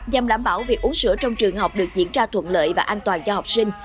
nhằm đảm bảo việc uống sữa trong trường học được diễn ra thuận lợi và an toàn cho học sinh